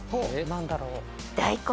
何だろう？